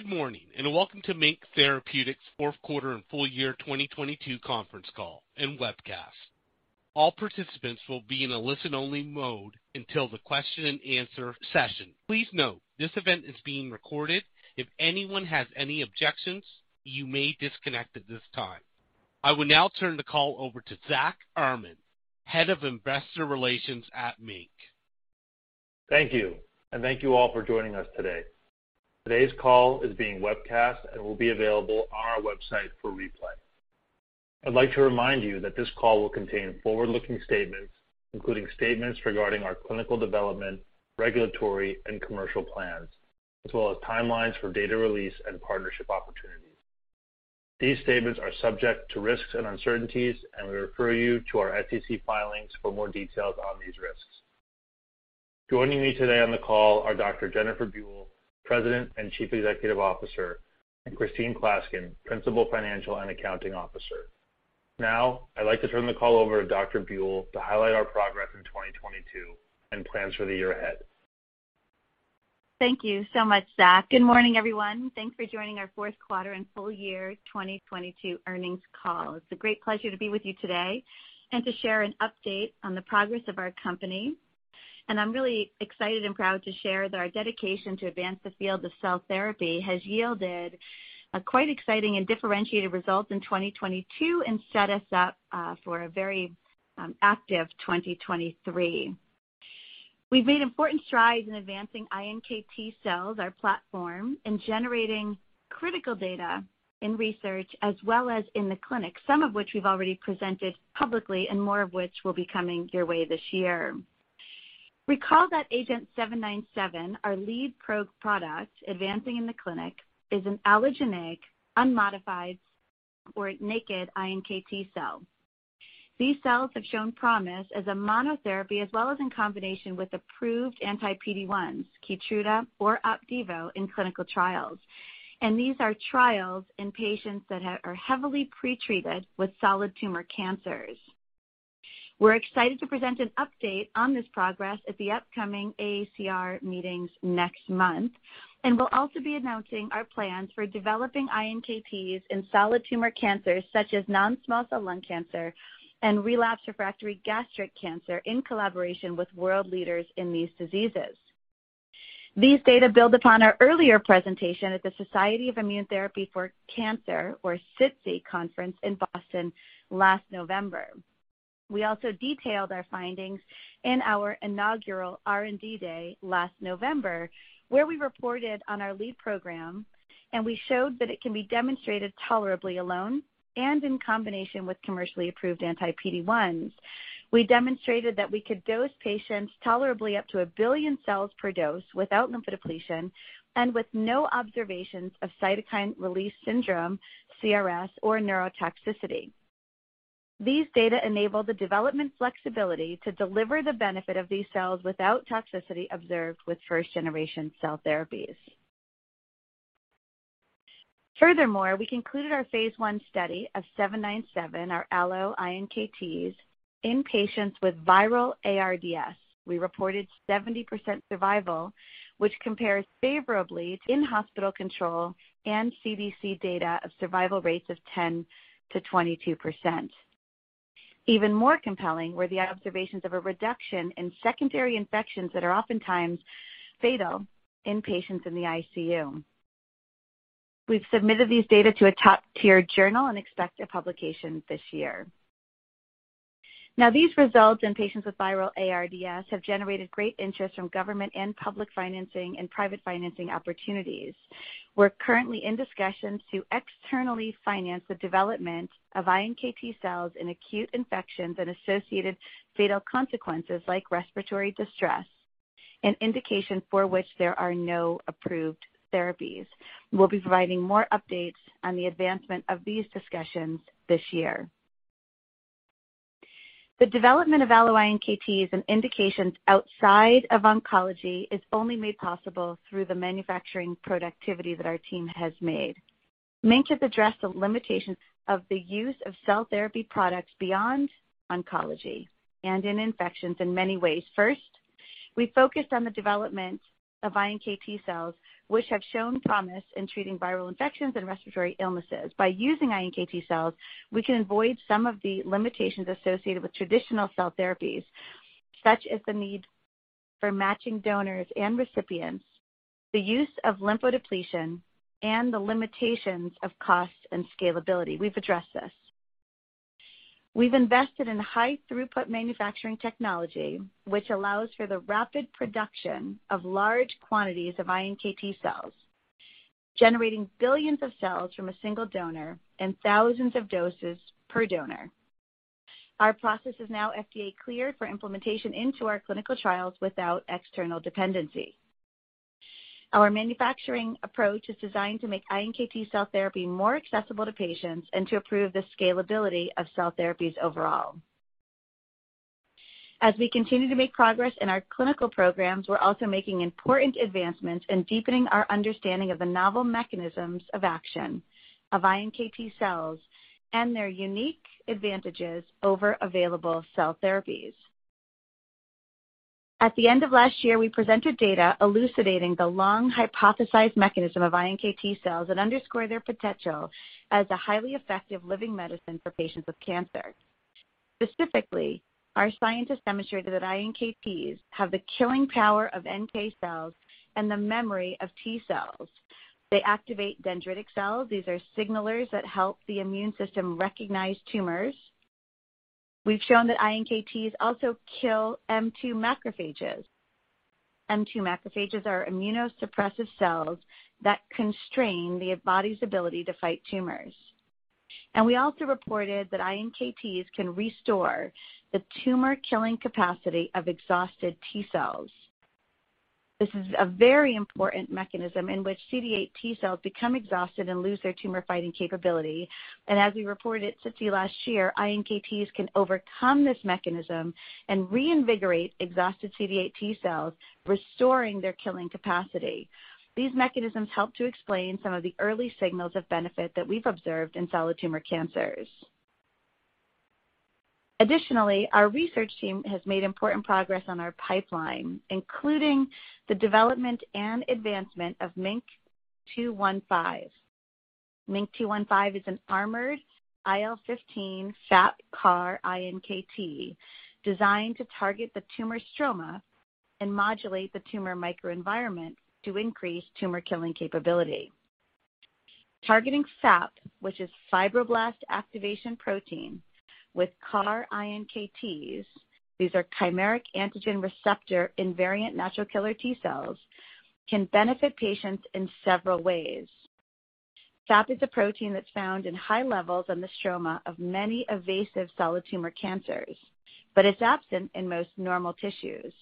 Good morning. Welcome to MiNK Therapeutics' fourth quarter and full year 2022 conference call and webcast. All participants will be in a listen-only mode until the question and answer session. Please note, this event is being recorded. If anyone has any objections, you may disconnect at this time. I will now turn the call over to Zack Armen, Head of Investor Relations at MiNK. Thank you, and thank you all for joining us today. Today's call is being webcast and will be available on our website for replay. I'd like to remind you that this call will contain forward-looking statements, including statements regarding our clinical development, regulatory, and commercial plans, as well as timelines for data release and partnership opportunities. These statements are subject to risks and uncertainties, and we refer you to our SEC filings for more details on these risks. Joining me today on the call are Dr. Jennifer Buell, President and Chief Executive Officer, and Christine Klaskin, Principal Financial and Accounting Officer. Now, I'd like to turn the call over to Dr. Buell to highlight our progress in 2022 and plans for the year ahead. Thank you so much, Zack. Good morning, everyone. Thanks for joining our fourth quarter and full year 2022 earnings call. It's a great pleasure to be with you today and to share an update on the progress of our company. I'm really excited and proud to share that our dedication to advance the field of cell therapy has yielded quite exciting and differentiated results in 2022 and set us up for a very active 2023. We've made important strides in advancing iNKT cells, our platform, in generating critical data in research as well as in the clinic, some of which we've already presented publicly and more of which will be coming your way this year. Recall that agenT-797, our lead pro-product advancing in the clinic, is an allogeneic, unmodified or naked iNKT cell. These cells have shown promise as a monotherapy as well as in combination with approved anti-PD-1s, KEYTRUDA or OPDIVO, in clinical trials. These are trials in patients that are heavily pretreated with solid tumor cancers. We're excited to present an update on this progress at the upcoming AACR meetings next month, and we'll also be announcing our plans for developing iNKTs in solid tumor cancers such as non-small cell lung cancer and relapsed refractory gastric cancer in collaboration with world leaders in these diseases. These data build upon our earlier presentation at the Society for Immunotherapy of Cancer, or SITC Conference in Boston last November. We also detailed our findings in our inaugural R&D day last November, where we reported on our lead program, and we showed that it can be demonstrated tolerably alone and in combination with commercially approved anti-PD-1s. We demonstrated that we could dose patients tolerably up to 1 billion cells per dose without lymphodepletion and with no observations of cytokine release syndrome, CRS, or neurotoxicity. These data enable the development flexibility to deliver the benefit of these cells without toxicity observed with first-generation cell therapies. We concluded our phase I study of 797, our allo iNKT, in patients with viral ARDS. We reported 70% survival, which compares favorably to in-hospital control and CDC data of survival rates of 10%-22%. Even more compelling were the observations of a reduction in secondary infections that are oftentimes fatal in patients in the ICU. We've submitted these data to a top-tier journal and expect a publication this year. These results in patients with viral ARDS have generated great interest from government and public financing and private financing opportunities. We're currently in discussions to externally finance the development of iNKT cells in acute infections and associated fatal consequences like respiratory distress, an indication for which there are no approved therapies. We'll be providing more updates on the advancement of these discussions this year. The development of allo-iNKT is an indication outside of oncology is only made possible through the manufacturing productivity that our team has made. MiNK has addressed the limitations of the use of cell therapy products beyond oncology and in infections in many ways. First, we focused on the development of iNKT cells, which have shown promise in treating viral infections and respiratory illnesses. By using iNKT cells, we can avoid some of the limitations associated with traditional cell therapies, such as the need for matching donors and recipients, the use of lymphodepletion, and the limitations of cost and scalability. We've addressed this. We've invested in high-throughput manufacturing technology which allows for the rapid production of large quantities of iNKT cells, generating billions of cells from a single donor and thousands of doses per donor. Our process is now FDA-cleared for implementation into our clinical trials without external dependency. Our manufacturing approach is designed to make iNKT cell therapy more accessible to patients and to improve the scalability of cell therapies overall. As we continue to make progress in our clinical programs, we're also making important advancements in deepening our understanding of the novel mechanisms of action of iNKT cells and their unique advantages over available cell therapies. At the end of last year, we presented data elucidating the long-hypothesized mechanism of iNKT cells that underscore their potential as a highly effective living medicine for patients with cancer. Specifically, our scientists demonstrated that iNKTs have the killing power of NK cells and the memory of T cells. They activate dendritic cells. These are signalers that help the immune system recognize tumors. We've shown that iNKTs also kill M2 macrophages. M2 macrophages are immunosuppressive cells that constrain the body's ability to fight tumors. We also reported that iNKTs can restore the tumor killing capacity of exhausted T cells. This is a very important mechanism in which CD8 T cells become exhausted and lose their tumor-fighting capability. As we reported since the last year, iNKTs can overcome this mechanism and reinvigorate exhausted CD8 T cells, restoring their killing capacity. These mechanisms help to explain some of the early signals of benefit that we've observed in solid tumor cancers. Additionally, our research team has made important progress on our pipeline, including the development and advancement of MiNK-215. MiNK-215 is an armored IL-15 FAP-CAR-iNKT designed to target the tumor stroma and modulate the tumor microenvironment to increase tumor killing capability. Targeting FAP, which is fibroblast activation protein, with CAR iNKTs, these are chimeric antigen receptor invariant natural killer T cells, can benefit patients in several ways. FAP is a protein that's found in high levels in the stroma of many evasive solid tumor cancers, but it's absent in most normal tissues.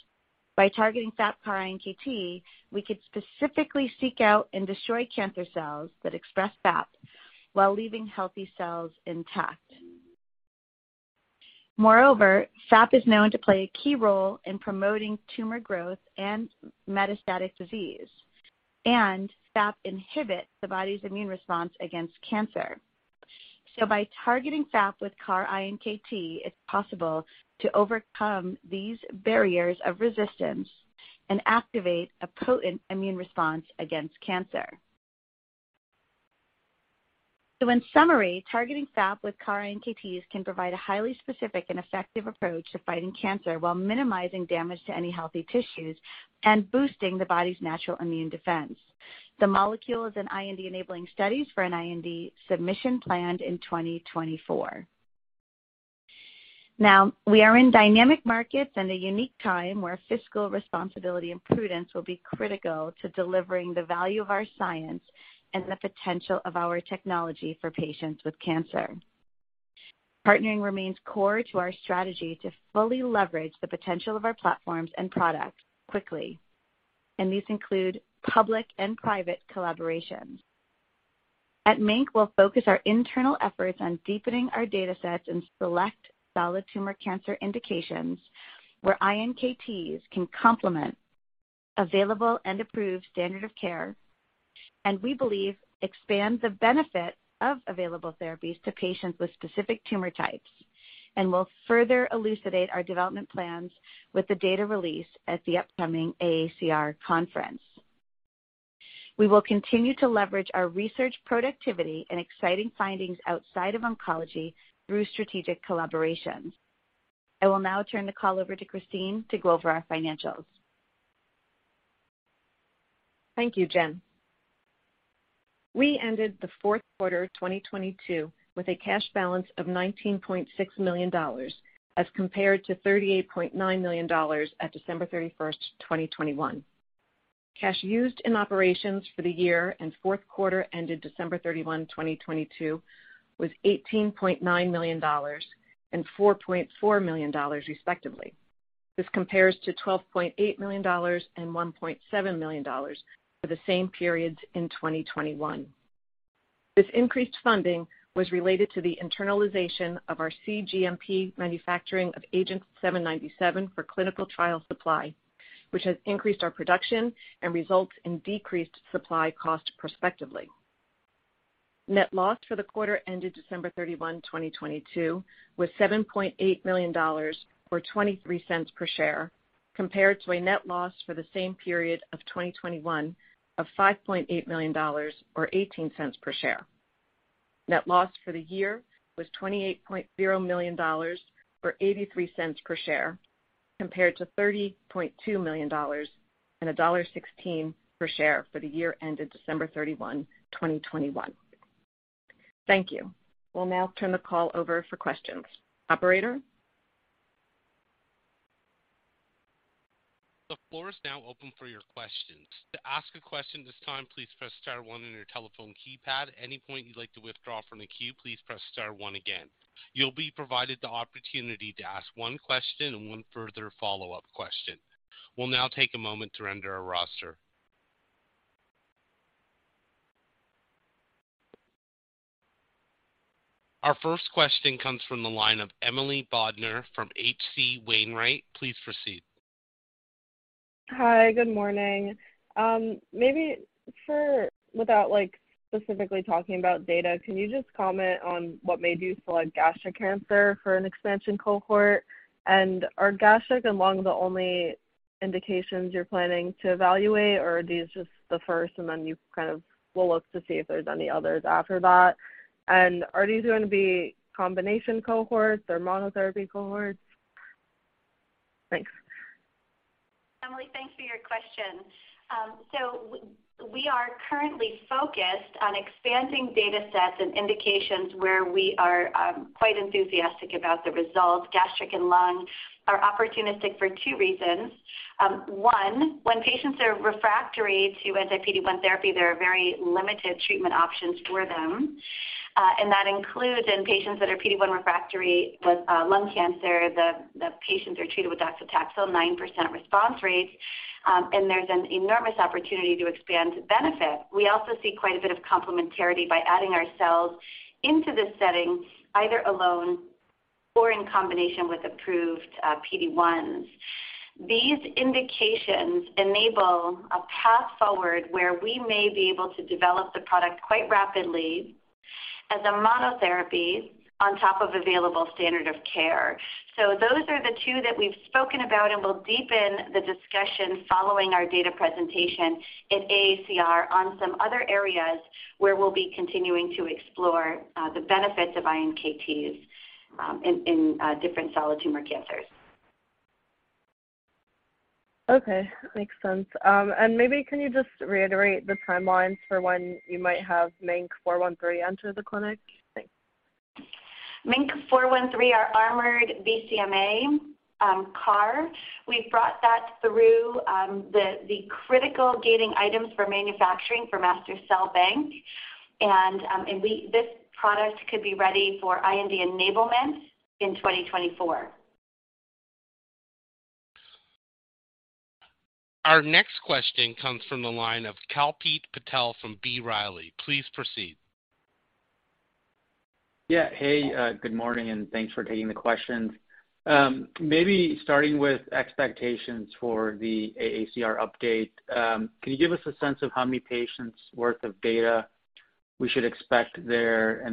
By targeting FAP-CAR-iNKT, we could specifically seek out and destroy cancer cells that express FAP while leaving healthy cells intact. Moreover, FAP is known to play a key role in promoting tumor growth and metastatic disease, and FAP inhibits the body's immune response against cancer. By targeting FAP with CAR iNKT, it's possible to overcome these barriers of resistance and activate a potent immune response against cancer. In summary, targeting FAP with CAR iNKTs can provide a highly specific and effective approach to fighting cancer while minimizing damage to any healthy tissues and boosting the body's natural immune defense. The molecule is an IND-enabling studies for an IND submission planned in 2024. We are in dynamic markets and a unique time where fiscal responsibility and prudence will be critical to delivering the value of our science and the potential of our technology for patients with cancer. Partnering remains core to our strategy to fully leverage the potential of our platforms and products quickly, and these include public and private collaborations. At MiNK, we'll focus our internal efforts on deepening our datasets in select solid tumor cancer indications where iNKTs can complement available and approved standard of care and we believe expand the benefit of available therapies to patients with specific tumor types. We'll further elucidate our development plans with the data release at the upcoming AACR conference. We will continue to leverage our research productivity and exciting findings outside of oncology through strategic collaborations. I will now turn the call over to Christine to go over our financials. Thank you, Jen. We ended the fourth quarter 2022 with a cash balance of $19.6 million as compared to $38.9 million at December 31st, 2021. Cash used in operations for the year and fourth quarter ended December 31, 2022, was $18.9 million and $4.4 million, respectively. This compares to $12.8 million and $1.7 million for the same periods in 2021. This increased funding was related to the internalization of our cGMP manufacturing of agenT-797 for clinical trial supply, which has increased our production and results in decreased supply cost prospectively. Net loss for the quarter ended December 31, 2022, was $7.8 million, or $0.23 per share, compared to a net loss for the same period of 2021 of $5.8 million or $0.18 per share. Net loss for the year was $28.0 million or $0.83 per share, compared to $30.2 million and $1.16 per share for the year ended December 31, 2021. Thank you. We'll now turn the call over for questions. Operator? The floor is now open for your questions. To ask a question at this time, please press star one on your telephone keypad. At any point you'd like to withdraw from the queue, please press star one again. You'll be provided the opportunity to ask one question and one further follow-up question. We'll now take a moment to render our roster. Our first question comes from the line of Emily Bodnar from H.C. Wainwright. Please proceed. Hi, good morning. Maybe without, like, specifically talking about data, can you just comment on what made you select gastric cancer for an expansion cohort? Are gastric and lung the only indications you're planning to evaluate or are these just the first and then you kind of will look to see if there's any others after that? Are these going to be combination cohorts or monotherapy cohorts? Thanks. Emily, thanks for your question. We are currently focused on expanding data sets and indications where we are quite enthusiastic about the results. Gastric and lung are opportunistic for two reasons. One, when patients are refractory to anti-PD-1 therapy, there are very limited treatment options for them, and that includes in patients that are PD-1 refractory with lung cancer, the patients are treated with docetaxel, 9% response rates, and there's an enormous opportunity to expand benefit. We also see quite a bit of complementarity by adding ourselves into this setting, either alone or in combination with approved PD-1s. These indications enable a path forward where we may be able to develop the product quite rapidly as a monotherapy on top of available standard of care. Those are the two that we've spoken about, and we'll deepen the discussion following our data presentation at AACR on some other areas where we'll be continuing to explore the benefits of iNKTs in different solid tumor cancers. Okay. Makes sense. Maybe can you just reiterate the timelines for when you might have MiNK-413 enter the clinic? Thanks. MiNK-413 are armored BCMA CAR. We've brought that through the critical gating items for manufacturing for master cell bank. This product could be ready for IND enablement in 2024. Our next question comes from the line of Kalpit Patel from B. Riley. Please proceed. Yeah. Hey, good morning, and thanks for taking the questions. Maybe starting with expectations for the AACR update, can you give us a sense of how many patients worth of data we should expect there?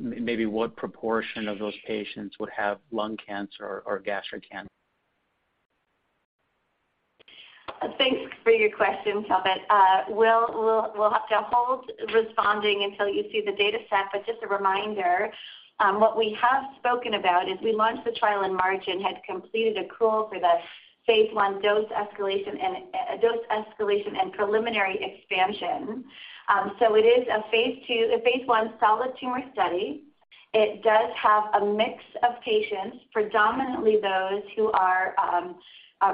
Maybe what proportion of those patients would have lung cancer or gastric cancer? Thanks for your question, Kalpit. We'll have to hold responding until you see the data set. Just a reminder, what we have spoken about is we launched the trial in March and had completed accrual for the phase I dose escalation and dose escalation and preliminary expansion. It is a phase I solid tumor study. It does have a mix of patients, predominantly those who are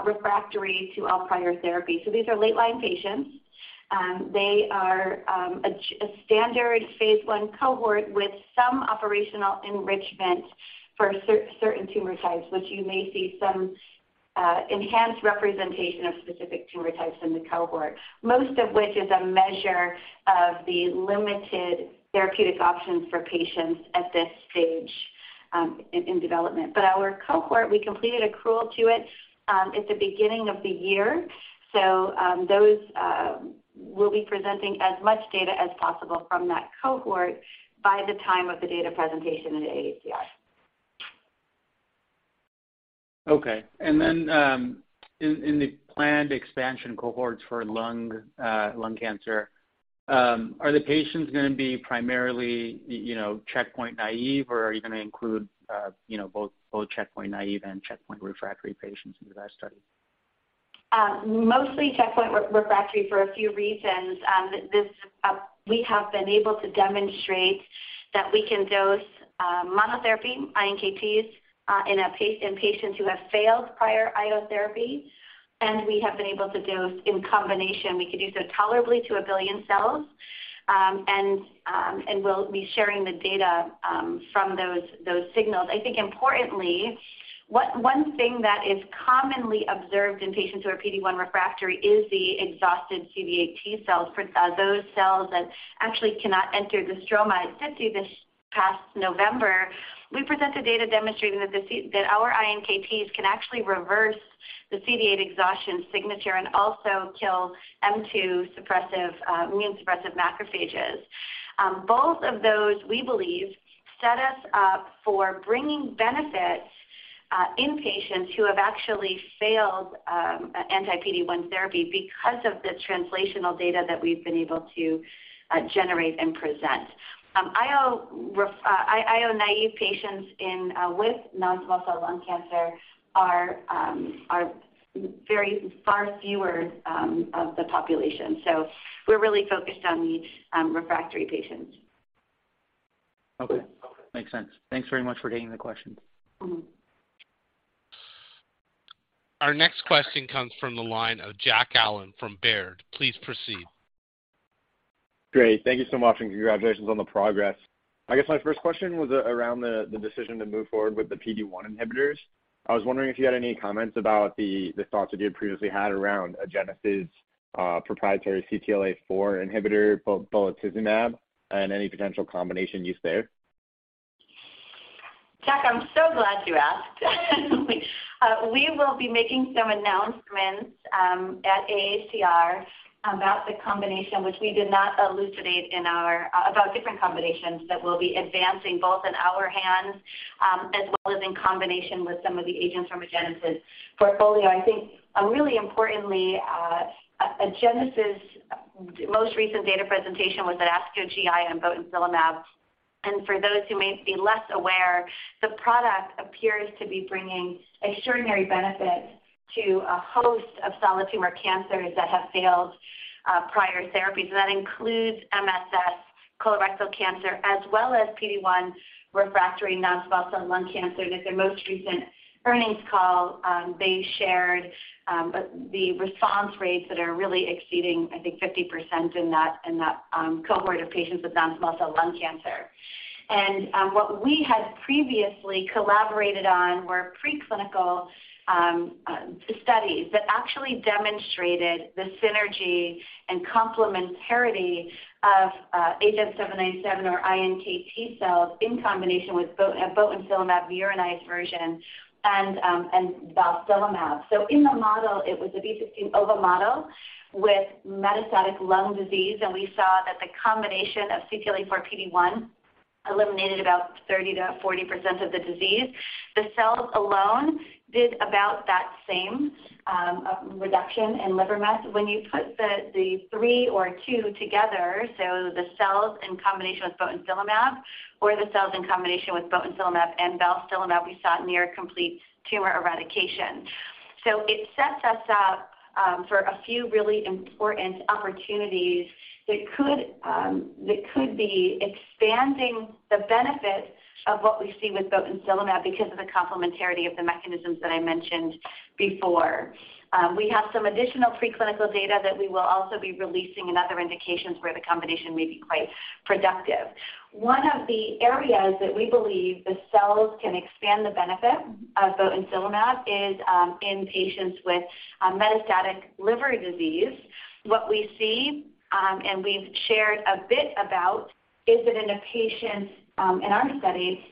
refractory to all prior therapy. These are late-line patients. They are a standard phase I cohort with some operational enrichment for certain tumor types, which you may see some enhanced representation of specific tumor types in the cohort. Most of which is a measure of the limited therapeutic options for patients at this stage, in development. Our cohort, we completed accrual to it, at the beginning of the year. Those, we'll be presenting as much data as possible from that cohort by the time of the data presentation at AACR. Okay. In, in the planned expansion cohorts for lung cancer, are the patients gonna be primarily you know, checkpoint naive, or are you gonna include, you know, both checkpoint naive and checkpoint refractory patients into that study? Mostly checkpoint re-refractory for a few reasons. This, we have been able to demonstrate that we can dose monotherapy iNKTs in patients who have failed prior IO therapy, and we have been able to dose in combination. We could do so tolerably to 1 billion cells. We'll be sharing the data from those signals. I think importantly, one thing that is commonly observed in patients who are PD-1 refractory is the exhausted CD8 T cells for those cells that actually cannot enter the stroma. At SITC this past November, we presented data demonstrating that our iNKTs can actually reverse the CD8 exhaustion signature and also kill M2 suppressive immune suppressive macrophages. Both of those, we believe, set us up for bringing benefit in patients who have actually failed anti-PD-1 therapy because of the translational data that we've been able to generate and present. IO ref IO naive patients in with non-small cell lung cancer are very far fewer of the population. We're really focused on these refractory patients. Okay. Makes sense. Thanks very much for taking the question. Mm-hmm. Our next question comes from the line of Jack Allen from Baird. Please proceed. Great. Thank you so much, and congratulations on the progress. I guess my first question was around the decision to move forward with the PD-1 inhibitors. I was wondering if you had any comments about the thoughts that you had previously had around Agenus' proprietary CTLA-4 inhibitor, botensilimab, and any potential combination use there? Jack, I'm so glad you asked. We will be making some announcements at AACR about the combination which we did not elucidate about different combinations that we'll be advancing both in our hands, as well as in combination with some of the agents from Regeneron portfolio. I think, really importantly, Regeneron most recent data presentation was at ASCO GI on botensilimab. For those who may be less aware, the product appears to be bringing extraordinary benefits to a host of solid tumor cancers that have failed prior therapies. That includes MSS colorectal cancer as well as PD-1 refractory non-small cell lung cancer. In their most recent earnings call, they shared the response rates that are really exceeding, I think, 50% in that cohort of patients with non-small cell lung cancer. What we had previously collaborated on were preclinical studies that actually demonstrated the synergy and complementarity of agenT-797 or iNKT cells in combination with botensilimab, the uronide version, and balstilimab. In the model, it was a B16-OVA model with metastatic lung disease, and we saw that the combination of CTLA-4 PD-1 eliminated about 30%-40% of the disease. The cells alone did about that same reduction in liver mets. When you put the three or two together, so the cells in combination with botensilimab or the cells in combination with botensilimab and balstilimab, we saw near complete tumor eradication. It sets us up for a few really important opportunities that could that could be expanding the benefit of what we see with botensilimab because of the complementarity of the mechanisms that I mentioned before. We have some additional preclinical data that we will also be releasing in other indications where the combination may be quite productive. One of the areas that we believe the cells can expand the benefit of botensilimab is in patients with metastatic liver disease. What we see, and we've shared a bit about, is that in a patient in our study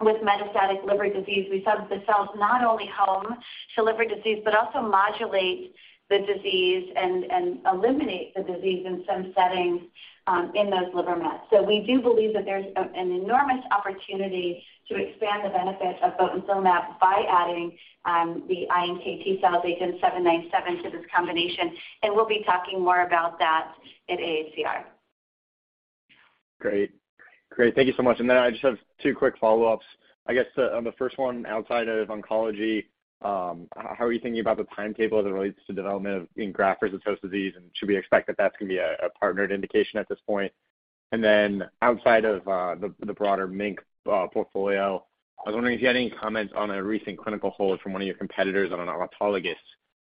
with metastatic liver disease, we saw that the cells not only home to liver disease, but also modulate the disease and eliminate the disease in some settings in those liver mets. We do believe that there's an enormous opportunity to expand the benefit of botensilimab by adding the iNKT cell agenT-797 to this combination, and we'll be talking more about that at AACR. Great. Then I just have two quick follow-ups. I guess, on the first one, outside of oncology, how are you thinking about the timetable as it relates to development of engraft versus host disease? Should we expect that that's going to be a partnered indication at this point? Then outside of the broader MiNK portfolio, I was wondering if you had any comments on a recent clinical hold from one of your competitors on an autologous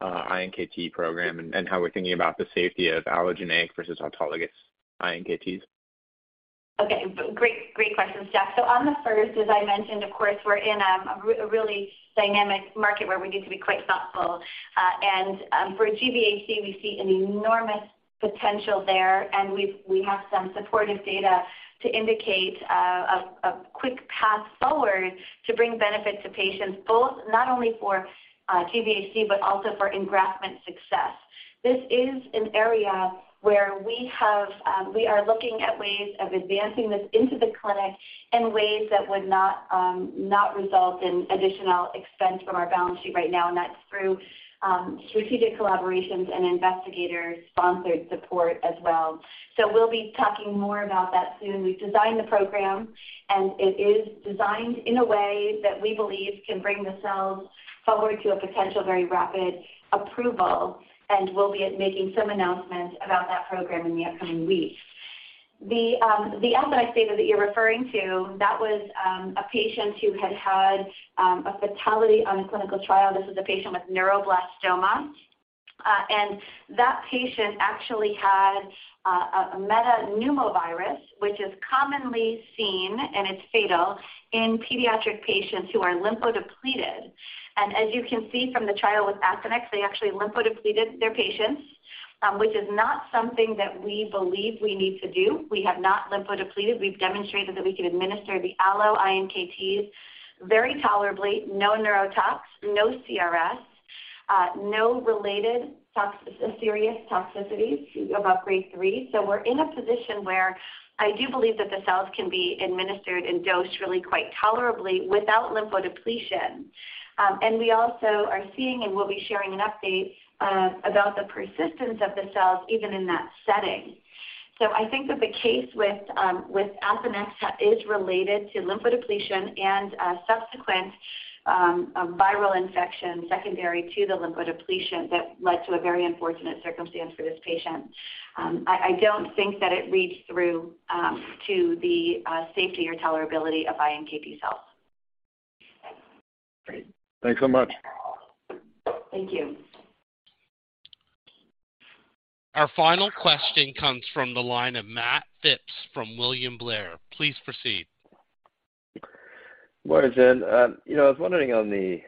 iNKT program and how we're thinking about the safety of allogeneic versus autologous iNKT. Okay. Great, great questions, Jack. On the first, as I mentioned, of course, we're in a really dynamic market where we need to be quite thoughtful. For GVHD, we see an enormous potential there, and we have some supportive data to indicate a quick path forward to bring benefit to patients, both not only for GVHD, but also for engraftment success. This is an area where we have, we are looking at ways of advancing this into the clinic in ways that would not not result in additional expense from our balance sheet right now, and that's through strategic collaborations and investigator-sponsored support as well. We'll be talking more about that soon. We've designed the program, and it is designed in a way that we believe can bring the cells forward to a potential very rapid approval, and we'll be making some announcements about that program in the upcoming weeks. The, the athenex data that you're referring to, that was a patient who had had a fatality on a clinical trial. This was a patient with neuroblastoma. That patient actually had a metapneumovirus, which is commonly seen, and it's fatal in pediatric patients who are lymphodepleted. As you can see from the trial with AstraZeneca, they actually lymphodepleted their patients, which is not something that we believe we need to do. We have not lymphodepleted. We've demonstrated that we can administer the allo iNKTs very tolerably, no neurotox, no CRS, no related serious toxicities above grade III. We're in a position where I do believe that the cells can be administered and dosed really quite tolerably without lymphodepletion. And we also are seeing and will be sharing an update about the persistence of the cells even in that setting. I think that the case with AstraZeneca is related to lymphodepletion and subsequent viral infection secondary to the lymphodepletion that led to a very unfortunate circumstance for this patient. I don't think that it reads through to the safety or tolerability of iNKT cells. Great. Thanks so much. Thank you. Our final question comes from the line of Matt Phipps from William Blair. Please proceed. Morning, Jen. You know, I was wondering on the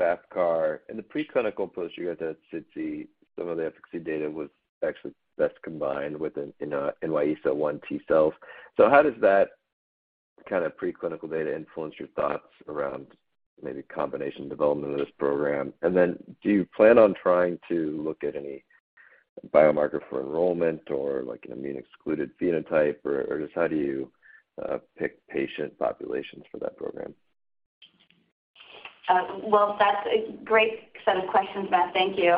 FAP-CAR. In the preclinical post you had at SITC, some of the efficacy data was actually best combined with, you know, NY-ESO-1 T cells. How does that kind of preclinical data influence your thoughts around maybe combination development of this program? Do you plan on trying to look at any biomarker for enrollment or, like, an immune-excluded phenotype or just how do you pick patient populations for that program? Well, that's a great set of questions, Matt. Thank you.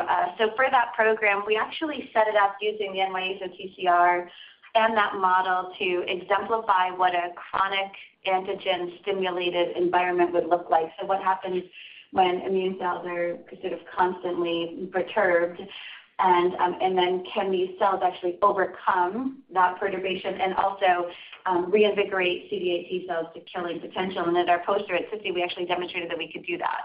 For that program, we actually set it up using the NY-ESO-1 TCR and that model to exemplify what a chronic antigen-stimulated environment would look like. What happens when immune cells are sort of constantly perturbed and then can these cells actually overcome that perturbation and also reinvigorate CD8 T cells to killing potential? At our poster at SITC, we actually demonstrated that we could do that.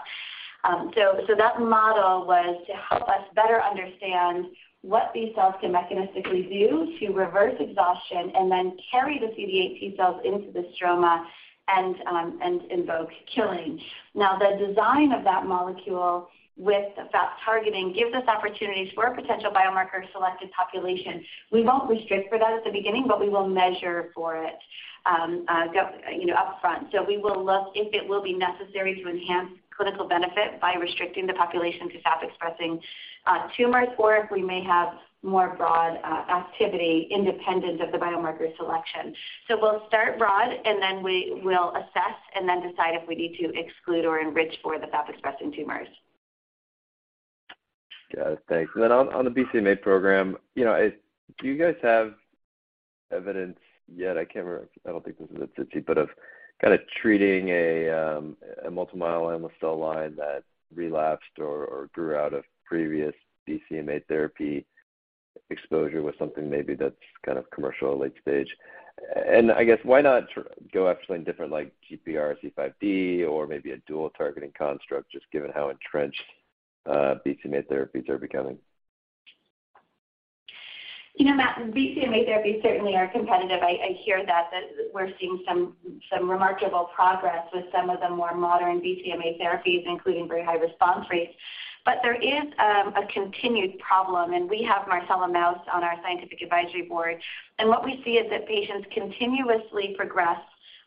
That model was to help us better understand what these cells can mechanistically do to reverse exhaustion and then carry the CD8 T cells into the stroma and invoke killing. Now, the design of that molecule with FAP targeting gives us opportunities for a potential biomarker-selected population. We won't restrict for that at the beginning, but we will measure for it, you know, upfront. We will look if it will be necessary to enhance clinical benefit by restricting the population to FAP-expressing tumors or if we may have more broad activity independent of the biomarker selection. We'll start broad, and then we will assess and then decide if we need to exclude or enrich for the FAP-expressing tumors. Got it. Thanks. On the BCMA program, you know, Do you guys have evidence yet, I can't remember. I don't think this was at SITC, but of kinda treating a multiple myeloma cell line that relapsed or grew out of previous BCMA therapy exposure with something maybe that's kind of commercial or late stage. I guess why not go absolutely in different like GPRC5D or maybe a dual targeting construct just given how entrenched BCMA therapies are becoming? You know, Matt, BCMA therapies certainly are competitive. I hear that we're seeing some remarkable progress with some of the more modern BCMA therapies, including very high response rates. There is a continued problem. We have Marcella Maus on our scientific advisory board. What we see is that patients continuously progress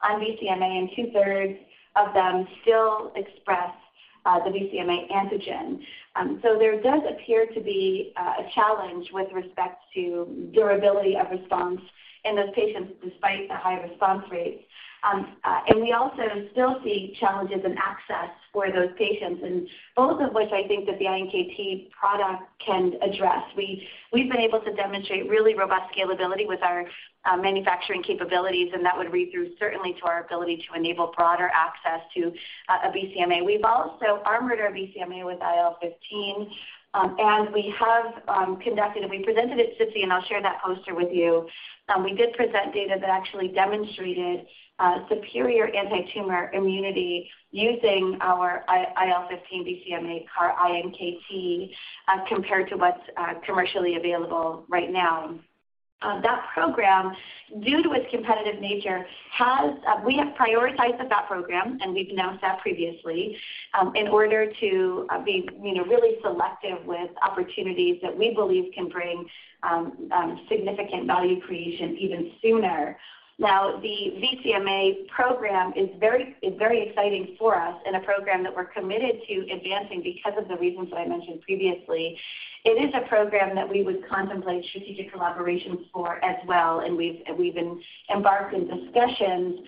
on BCMA, and 2/3 of them still express the BCMA antigen. So there does appear to be a challenge with respect to durability of response in those patients despite the high response rates. We also still see challenges in access for those patients, both of which I think that the iNKT product can address. We've been able to demonstrate really robust scalability with our manufacturing capabilities. That would read through certainly to our ability to enable broader access to a BCMA. We've also armored our BCMA with IL-15. We presented at SITC, and I'll share that poster with you. We did present data that actually demonstrated superior antitumor immunity using our IL-15 BCMA CAR iNKT compared to what's commercially available right now. That program, due to its competitive nature, we have prioritized that program, and we've announced that previously, in order to be, you know, really selective with opportunities that we believe can bring significant value creation even sooner. The BCMA program is very exciting for us and a program that we're committed to advancing because of the reasons that I mentioned previously. It is a program that we would contemplate strategic collaborations for as well, and we've been embarked in discussions,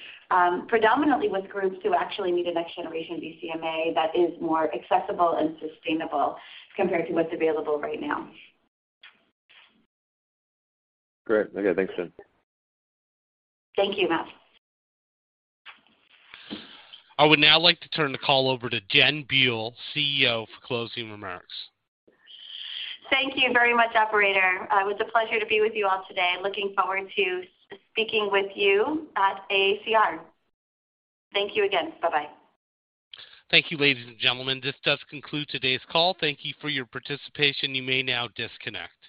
predominantly with groups who actually need a next-generation BCMA that is more accessible and sustainable compared to what's available right now. Great. Okay. Thanks, Jen. Thank you, Matt. I would now like to turn the call over to Jen Buell, CEO, for closing remarks. Thank you very much, operator. It was a pleasure to be with you all today. Looking forward to speaking with you at AACR. Thank you again. Bye-bye. Thank you, ladies and gentlemen. This does conclude today's call. Thank you for your participation. You may now disconnect.